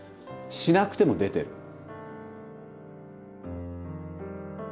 しなくても出てる。